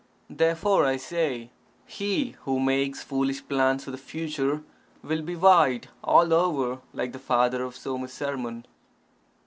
Therefore, I say, "He who makes foolish plans for the future will be white all over, like the father of Somasarman."